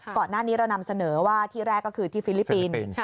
ก่อนหน้านี้เรานำเสนอว่าที่แรกก็คือที่ฟิลิปปินส์